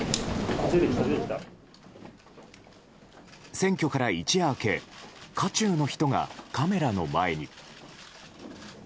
選挙から一夜明け渦中の人がカメラの前に。